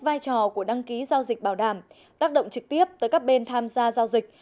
vai trò của đăng ký giao dịch bảo đảm tác động trực tiếp tới các bên tham gia giao dịch